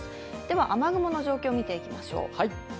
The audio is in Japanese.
では、雨雲の状況を見ていきましょう。